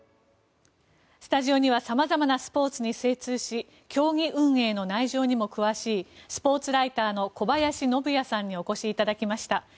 スタジオにはさまざまなスポーツに精通し競技運営の内情にも詳しいスポーツライターの小林信也さんにお越しいただきました。